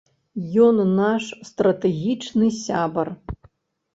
Ён наш стратэгічны сябар.